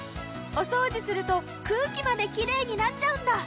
お掃除すると空気まできれいになっちゃうんだ！